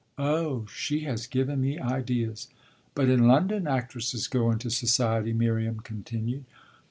"Oh she has given me ideas! But in London actresses go into society," Miriam continued.